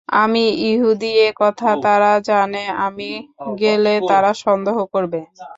আমি ইহুদী এ কথা তারা জানে আমি গেলে তারা সন্দেহ করবে।